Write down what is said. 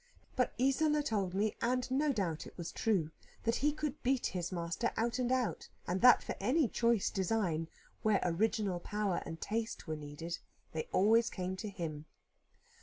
But Isola told me, and no doubt it was true, that he could beat his master out and out, and that for any choice design, where original power and taste were needed, they always came to him.